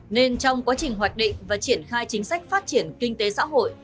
nên trong quá trình hoạch định và triển khai chính sách phát triển kinh tế xã hội